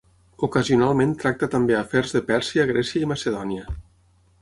Ocasionalment tracta també afers de Pèrsia, Grècia i Macedònia.